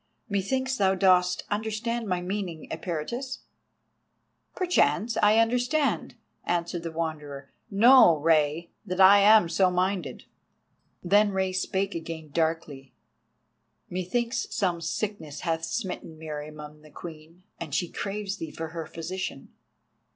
Methinks thou dost understand my meaning, Eperitus?" "Perchance I understand," answered the Wanderer. "Know, Rei, that I am so minded." Then Rei spake again, darkly. "Methinks some sickness hath smitten Meriamun the Queen, and she craves thee for her physician.